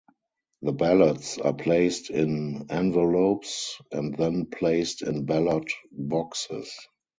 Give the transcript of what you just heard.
The ballots are placed in envelopes, and then placed in ballot boxes.